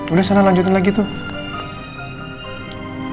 udah sana lanjutin lagi tuh